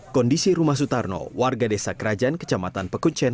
kondisi rumah sutarno warga desa kerajaan kecamatan pekuncen